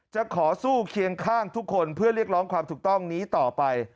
จะขอสู้เคียงข้างทุกคนเพื่อเรียกร้องความถูกต้องนี้ต่อไป